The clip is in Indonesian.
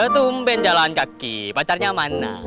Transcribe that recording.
tumben jalan kaki pacarnya mana